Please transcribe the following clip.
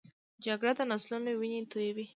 جګړه د نسلونو وینې تویوي